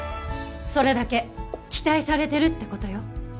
それだけ期待されてるってことよ